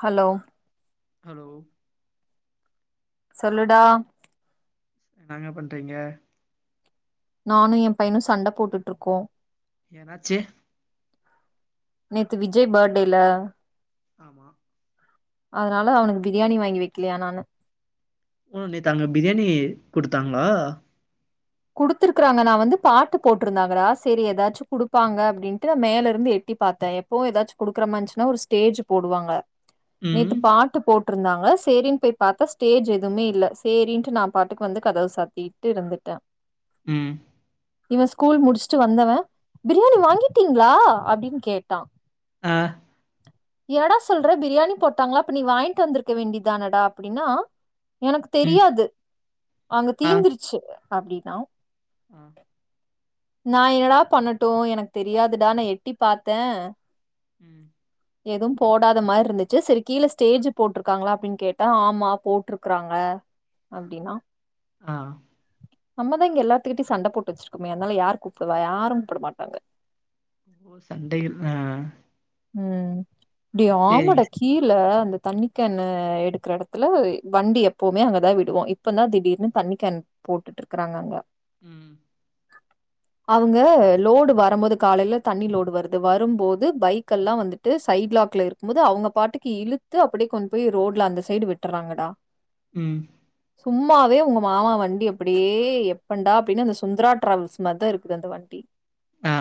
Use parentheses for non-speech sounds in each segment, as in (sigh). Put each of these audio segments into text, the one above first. Hello hello சொல்லுடா என்னங்க பண்றீங்க நானு எ பையனு சண்ட போட்டுட்ருக்கோ என்னாச்சு நேத்து விஜய் பேட்டேல ஆமா அதுனால அவனுக்கு பிரியாணி வாங்கி வெக்கலையா நானு ம் நேத்து அங்க பிரியாணி குடுத்தாங்ளா குடுத்துருக்றாங்க நா வந்து பாட்டு போட்ருந்தாங்கடா சேரி எதாச்சு குடுப்பாங்க அப்டின்ட்டு நா மேலருந்து எட்டி டி பாத்தே எப்போவு எதாச்சு குடுக்குற மாரின்ச்சுனா ஒரு ஸ்டேஜு போடுவாங்க ம் நேத்து பாட்டு போட் ட்ருந்தாங்க சேரின் போய் பாத்தா ஸ்டேஜு எதுமே இல்ல சேரின்ட்டு நா பாட்டுக்கு வந்து கதவ சாத்திட்டு இருந்துட்டே ம் இவ ஸ்கூல் முடிச்சுட்டு வந்தவ பிரியாணி வாங்கிட்டீங்களா அப்டின்னு கேட்டா ஆ எடா சொல்ற பிரியாணி போட்டாங்களா அப்ப நீ வாங்கிட்டு வந்திருக்க வேண்டிதானடா அப்படின்னா எனக்கு ம் தெரியாது அங்க ஆ தீந்துருச்சு அப்டின்னா ஆ நா என்னடா பண்ணட்டு எனக்கு தெரியாதுடா நா எட்டி பாத்தே ம் எதும் போடாத மார்ருந்துச்சு சரி கீழ ஸ்டேஜ் போட்டிருக்காங்களா அப்டின்னு கேட்டா ஆமா போட்டிருக்கறாங்க அப்டினா ஆ நம்மதா இங்க எல்லாத்துக்கிட்ட சண்ட போட்டு வச்சிருக்கோமே அதனால யாரு கூப்புடுவா யாரு கூப்டமாட்டாங்க ஓ சண்டைகள் ஆ ம் டேய் சேரிங்க ஆமடா கீழ அந்த தண்ணிக்கேன் எடுக்கற எடத்துல வண்டி எப்பவுமே அங்கதா விடுவோ இப்பதா திடீர்னு தண்ணிக்கேன் போட்டுட்ருக்கறாங்க அங்க ம் அவங்க லோடு வரம்போது காலைல தண்ணி லோடு வருது வரும்போது பைக் க்கல்லா வந்துட்டு சைட் லாக்ல இருக்கும் போது அவங்க பாட்டுக்கு இழுத்து அப்டியே கொண்டு போய் ரோட்ல அந்த சைடு விட்டறாங்கடா ம் சும்மாவே உங்க மாமா வண்டி அப்படியே எப்பண்டா அப்டின்னு அந்த சுந்தரா டிராவல்ஸ் மாதிரி தா இருக்குது அந்த வண்டி ஆ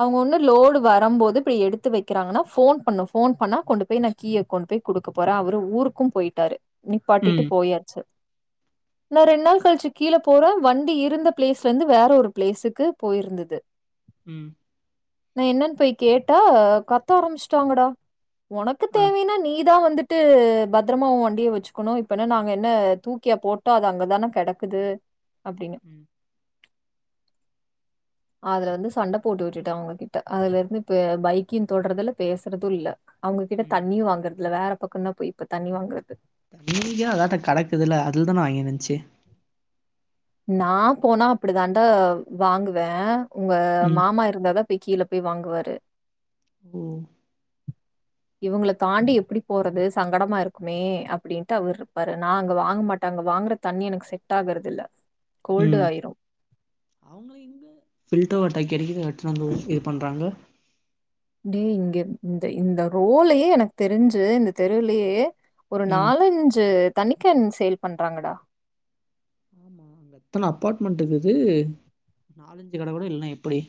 அவங்க ஒன்னு லோடு வ ரம்போது இப்டி எடுத்து வைக்கிறாங்கன்னா போன் பண்ண போன் பண்ணா கொண்டு போய் கீய கொண்டு போய் கொடுக்க போறே அவர் ஊருக்கு கும் போயிட்டாரு நிப்பாட்டிட்டு ம் போயாச்சு (inaudible) நா ரெண்டு நாள் கழிச்சு கீழ போறோ வண்டி இருந்த பிளேஸ்ல இருந்து வேற ஒரு பிளேஸுக்கு போயிருந்தது ம் நா என்னன்னு போய் கேட்டா கத்த ஆரம்பிச்சுடாங்கடா ஒனக்கு ஆ தேவைனா நீ தா வந்து விட்டு பத்ரமா ஓ வண்டிய வச்சுக்கணு இப்பனா நாங்க என்ன தூக்கியா போட்டோ அது அங்கதான கெடக்குது அப்டின்னு ம் அதுல வந்து சண்ட போட்டு விட்டுட்டே அவங்ககிட்ட அதுலருந்து இப்பு பைக்கி தொடுறதுல்ல பேசுறது இல்ல அவங்ககிட்ட ம் தண்ணியு வாங்கற இல்ல வேற பக்கந்தா போய் இப்ப தண்ணி வாங்கறது தண்ணி தா அதாட்ட கெடக்குதுல அதுலதா நா வாங்கி நெனச்சே நா போனா அப்டி தாண்டா வாங்குவே ஒங்க ம் மாமா இருந்தாதா போய் கீழ போய் வாங்குவாரு ஓ இவங்கள தாண்டி எப்டி போறது சங்கடமா இருக்குமே அப்டின்ட்டு அவரு இருப்பாரு நா அங்க வாங்க மாட்டாங்க வாங்குற தண்ணி எனக்கு செட் ஆகுறதுல்ல ம் அவங்கள எங்க ஃபில்டர் வாட்டர் கிடைக்குது (unintelligible) இது பண்றாங்க டேய் இங்க இந்த இந்த ரோலயே எனக்கு தெரிஞ்சு இந்த தெருவுலயே ஒரு ம் நாலஞ்சு தண்ணிக்கேன் சேல் பண்றாங்கடா எத்தன அப்பார்ட்மெண்ட் இருக்குது நாலஞ்சு கட கூடனா இல்லனா எப்புடி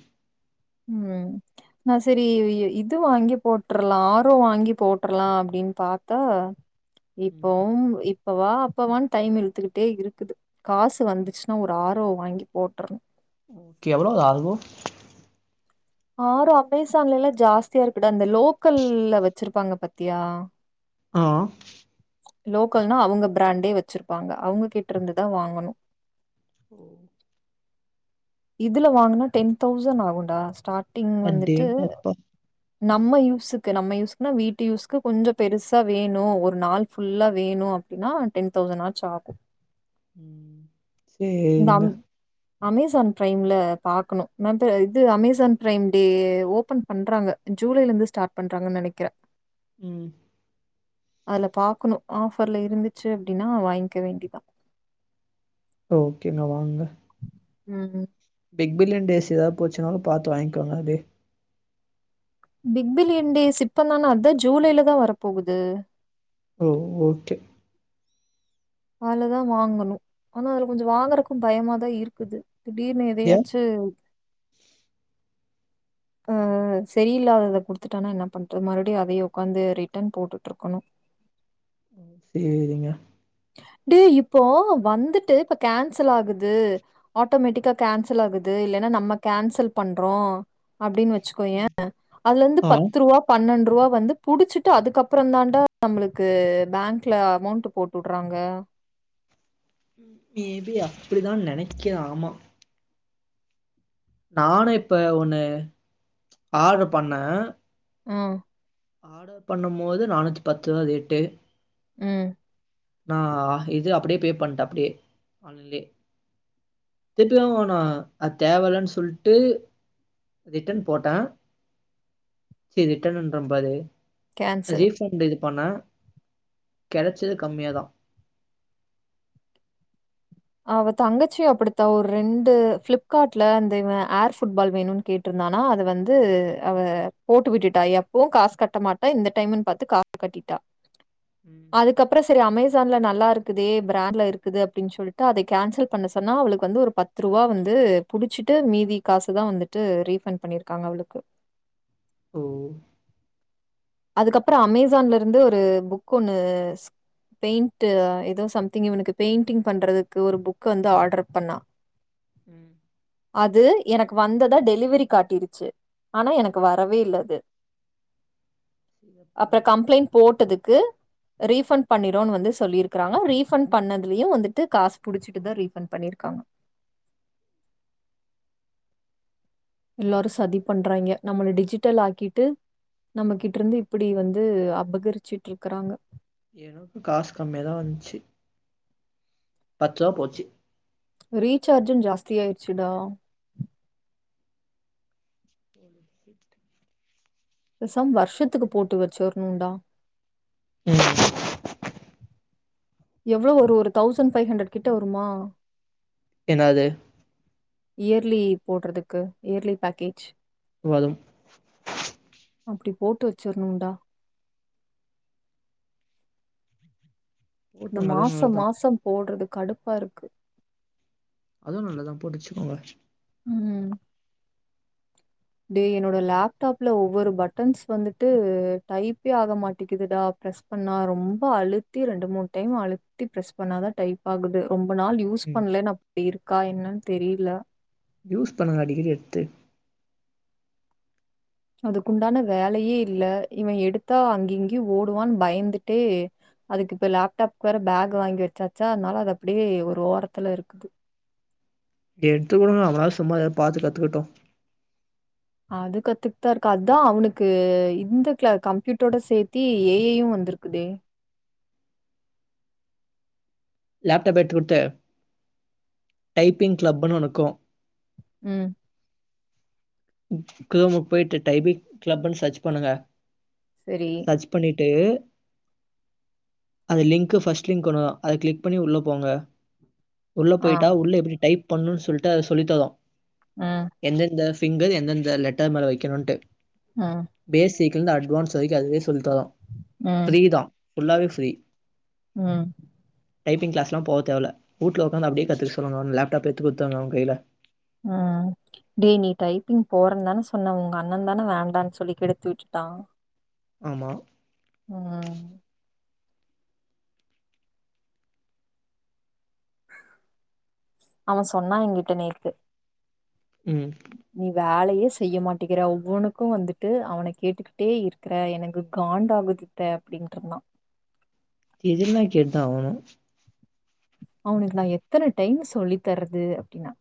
ம் நா சரி இது வாங்கி போட்ரலா ஆரோ வாங்கி போட்ரலா அப்டின்னு பாத்தா இப்பவு இப்பவா அப்பவான்னு டைம் இழுத்துக்கிட்டே இருக்குது காசு வந்துச்சுன்னா ஒரு ஆர் ஓ வாங்கி போட்ரணு கெவளோ ஆகு ஆறு அமேசான்ல எல்லா ஜாஸ்தியா இருக்குடா இந்த லோக்கல்ல வச்சிருப்பாங்க பாத்தியா ஆ லோக்கல்னா அவங்க பிராண்டே வச்சிருப்பாங்க அவங்க கிட்ட இருந்துதா வாங்கணு ஓ இதுல வாங்குனா டென் தௌசண் ஆகுன்டா ஸ்டாடிங் வந்துட்டு அடேங்கப்பா நம்ம யூஸ்க்கு நம்ம யூஸ்க்னா வீட்டு யூஸ்க்கு கொஞ்ச பெருசா வேணு ஒரு நாள் ஃபுல்லா வேணு அப்டின்னா டென் தௌசண்ட் ஆச்சு ஆகு ம் சேரிங்க அம் அமேசான் பிரைம்ல பாக்கணு நா இந்து இது அமேசான் பிரைம் டே ஓபன் பண்றாங்க ஜூலைல இருந்து ஸ்டார்ட் பண்றாங்கனு நெனைக்கறே ம் அதுல பாக்கணு ஆஃபர்ல இருந்துச்சு அப்டின்னா வாங்கிக்க வேண்டிதா ஓகேங்க வாங்குங்க ம் பிக் பில்லியன் டேஸ் ஏதாது போச்சுனாலு பாத்து வாங்கிக்கோங்காே அப்டியே பிக் பில்லியன் டேஸ் இப்பந்தான அதா ஜூலைல தா வர போகுது ஓ ஓகே அலதா வாங்கணு ஆனா அதுல கொஞ்ச வாங்கறக்கு பயமாதா இருக்குது திடீர்னு ஏ எதையாச்சு ம் சரியில்லாதத குடுத்துட்டானா என்ன பண்ற மறுபடியு அதையே உக்காந்து ரிட்டன் போட்டுட்டு இருக்கணு சேரிங்க டே இப்போ வந்துட்டு இப்ப கேன்சல் ஆகுது ஆட்டோமேட்டிக்கா கேன்சல் ஆகுது இல்லன்னா நம்ம கேன்சல் பண்றோ அப்படின் வச் சுக்கோய அதுலந்து ஆ பத்து ரூபா பன்னென் ரூவா வந்து புடிச்சிட்டு அதுக்கப்பற தாண்டா நம்மளுக்கு பேங்ல அமௌண்ட் போட்டு வுட்றாங்க மேபி அப்டிதா நெனக்க ஆமா நானும் இப்ப ஒண்ணு ஆர்டரு பண்ண ம் ஆர்டர் பண்ணு போது நானூத்தி பத்து தா ரேட்டு ம் நா இது அப்டியே பே பண்ட்ட அப்டியே ஆன்லயே திட்டு வாங்க மாட்டா அத் தேவலன்னு சொல்ட்டு ரிட்டன் போட்ட சி ரிட்டனுன்ர பாரு கேன்சல் ரீபண்ட் இது பண்ண கெடச்சது கம்மியா தா அவ தங்கச்சி அப்டித்தா ஒரு ரெண்டு ஃபிளிப்கார்ட்ல இந்த இவ ஏர் ஃபுட்பால் வேணுனு கேட்டிருந்தா னா அது வந்து அவ போட்டு விட்டுட்டா எப்பவு காஸ் கட்ட மாட்டா இந்த டைம்னு பாத்து காஸ் கட்டிட் டா ம் அதுக்கப்பற சரி அமேசான்ல நல்லா இருக்கதே பிராண்ட்ல இருக்கது அப்டின்னு சொல்லி ட அத கேன்சல் பண்ண சொன்னா அவளுக்கு வந்து ஒரு பத்து ரூவா வந்து புடிச்சிட்டு மீதி காசுதா வந்துட்டு ரி ரிஃபண் பண்ணிருக்காங்க அவளுக்கு ஓ அதுக்கபற அமேசான்ல இருந்து ஒரு புக் ஒண்ணு பெயிண்ட் ஏதோ சம்திங் இவனுக்கு பெயிண்டிங் பண்றதுக்கு ஒரு புக் வந்து ஆர்டர் பண்ணா உம் அது எனக்கு வந்தத டெலிவரி காட்டிருச்சு ஆனா எனக்கு வரவே இல்ல அது சிறப்புங்க அப்றோ கம்ப்ளைண்ட் போட்டதுக்கு ரீஃபண்டு பண்ணிரோனு வந்து சொல்லிருக்காங்க ரீஃபண்ட் பண்ணதுலயு வந்துட்டு காசு புடிச்சிட்டுதா ரீஃபண்ட் பண் ணிருக்காங்க எல்லாரு சதி பண்றாங்க நம்மள டிஜிட்டல் ஆக்கிட்டு நம்மகிட்ட இருந்து இப்படி வந்து அபகரிச்சுட்டு இருக்கறாங்க எனக்கு காசு கம்மியதா வந்ச்சு பத்து ரூபா போச்சு ரீசார்ஜு ஜாஸ்தி ஆயிருச்சுடா ஓ சிட் பேசாம வர்ஷத்துக்கு‌ போட்டு வெச்சுர்னுன்டா ம் எவ்ளோ வரு ஒரு தௌசண்ட் ஃபைவ் ஹண்ட்ரட் கிட்ட வருமா என்னது இயர்லி போடறதுக்கு இயர்லி பேக்கேஜ் வரும் அப்டி போட்டு வெச்சிர்ணுன்டா இந்த போட்டுங்க அதுவு மாசோ நல்லதுதா மாசோ போடறது கடுப்பா இருக்கு அதுவு நல்லதா போட்டு வெச்சுக்கோங்க ம் டே என்னோட லேப்டாப்ல ஒவ்வொரு பட்டன்ஸ் வந்துட்டு டைப்பே ஆக மாட்டிக்குதுடா ப்ரெஸ் பண்ணா ரொம்போ அழுத்தி ரெண்டு மூண் டைம் அழுத்தி ப்ரெஸ் பண்ணாதா டைப் ஆகுது ரொம் ப நாள் யூஸ் ம் பண்லன் அப்டி இருக்கா என்னன் தெரில யூஸ் பண்ணுங்க அடிக்கடி எடுத்து அதுக்குண்டான வேலயே இல்ல இவன் எடுத்தா அங்கி இங்கயு ஓடுவான்னு பயந்துட்டே அதுக்கு இப்ப லேப்டாப்க் வேற பேக் வாங்கி வெச்சாச்சா அதனால அது அப்டியே ஒரு ஓரத்துல இருக்குது எடுத்து குடுங்க அவனாது சும்மா எதா பாத்து கத்துக்கட்டு அது கத்துக்குதா இருக்கா அதா அவனுக்கு இந்த கிள கம்ப்யூட்டரோட சேர்த்தி ஏ ஐயு வந் துருக்குதே லேப்டாப் எடுத்துக்குடுத்து டைப்பிங் கிளப்ன் ஒன்னுக்கு ம் குரோமோ போய்ட்டு டைபிங் க்ளப்ன் சர்ச் பண்ணுங்க சரி. சர்ச் பண்ணி ட்டு அது லிங்க்கு ஃபர்ஸ்ட் லிங்க் ஒண்ணு அத க்ளிக் பண்ணி உள்ள போங்க உள்ள ஆ. போய்ட்டா உள்ள எப்டி டைப் பண்ணுன் சொல்ட்டு அது சொல்லித்தரு ம். எந்தெந்த ஃபிங்கர் எந்தெந்த லெட்டர் மேல வெக்கணுன்ட்டு ஆ தீக்லந்து அட்வான்ஸ் வரைக்கு அதுவே சொல்லித் தரு ம். ஃப்ரீதா ஃபுல்லாவே ஃப்ரீ ம் டைப்பிங் க்ளஸ்ல்லா போ தேவல்ல வூட்டுல ஒக்காந்து அப்டியே கத்துக்க சொல்லுங்க அவன லேப்டாப் எத்து குடுத்தங்க அவன் கைல ம் டே நீ டைப்பிங் போறன்தான சொன்ன உங்க அண்ணன்தான வேண்டான் சொல்லி கெடுத்து விட்டுட் டா ஆமா ம் அவன் சொன்னா என்கிட்ட நேத்து ம் வேலயே செய்ய மாட்டிக்கிறா ஒவ்வொன்னுக்கு வந்துட்டு அவன கேட்டுக்கிட்டே இருக்கிற எனக்கு காண்டாகுது த்த அப்டின்டுருந்தான் இதெல்லா கேட்டுதா ஆவனு அவனுக்கு நா எத்தன டைம் சொல்லித் தர்றது அப்டின்னா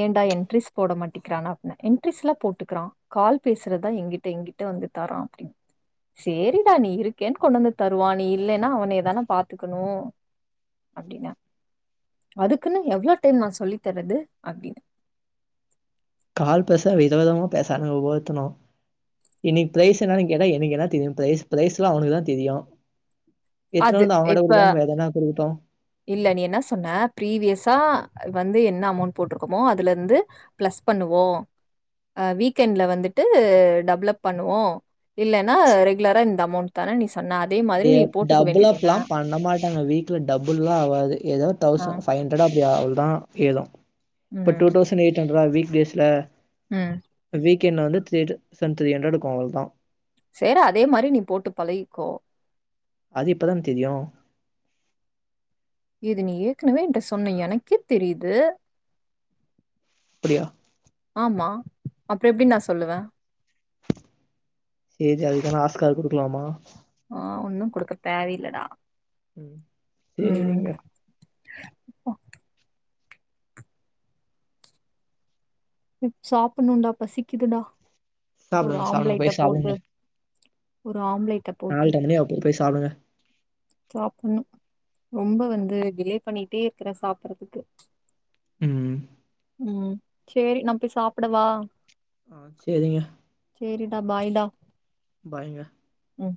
ஏன்டா என்ட்ரிஸ் போட மாட்டிக்கிறானா அப்ன என்ட்ரீஸ்ல்லா போட்டுக்குறா கால் பேசுறதா எங்கிட்ட எங்கிட்ட வந் து தரா அப்டி சேரிடா நீ இருக்கேன் கொண்டு வந்து தருவா நீ இல்லைன்னா அவனே தான பாத்துக்கணு அப்டின்னா அதுக்குன்னு எவ்ள டைம் நா சொல்லி தர்றது அப்டின்னு கால் பேச வித விதமா பேசானுங்க ஓவ்வொத்தணு இன்னிக்கு ப்ரைஸ் என்னன் கேட்டா எனக்கு என்ன தெரியு ப்ரைஸ் ப்ரைஸ்லா அவனுக்குதா தெரியு எத்தன அது வந்து அவங்கட இப்ப குடுக்காம வேதனா குடுக்கட்டு இல்ல நீ என்ன சொன்ன பீவியஸா வந்து என் என்ன அமௌண்ட் போட்டிருக்கோமோ அதுலருந்து பிளஸ் பண்ணுவோ ஆ வீக்கெண்ட்ல வந்துட்டு டெவலப் பண்ணுவோ இல்லன்னா ரெகுலரா இந்த அமௌண்ட் தானே நீ சொன்ன அதே மாரி நீ போட்டுக்க வேண்டியதான டபுள்லப்லா பண்ண மாட்டாங்க வீட்ல டபுள்ல்லா ஆகாது ஏதோ ஆ தௌசண்ட் பைவ் ஹண்டரட் அப்டி ஆவ் தா ஏது இப்ப ம் டூ தௌசண்ட் ஏய்ட் ஹண்ரடா வீக்டேஸ்ல ம் என்ன வந்து தே (unintelligible) த்ரி ஹண்ரக்கு வாங்குனதா சேரி அதே மாரி நீ போட்டு பழகிக்கோ அது இப்பதா தெரியு இது நீ ஏற்கனவே என்ட சொன்ன எனக்கே தெரியுது அப்டியா ஆமா அப்புற எப்டி நா சொல்லுவே சேரி அதுக்கென ஆஸ்கார் குடுக்கலாமா அ ஒன்னு குடுக்க தேவையில்லட ம் சேரிங்க சாப்டணும்டா பசிக்குதுடா ஒரு சாப்டுங்க சாப்டுங்க ஆம்லேட்ட போய் போட்டு சாப்டுங்க ஒரு ஆம்லேட்ட போட்டு நால்ர மணி ஆவப்போது போய் சாப்டுங்க சாப்னு ரொம்ப வந்து டிலே பண்ணிட்டே இருக்கற சாப்றதுக்கு ம் ம் சேரி நா போயி சாப்டவா ஆ சேரிங்க ட பாய்டா பாய்ங்க ம்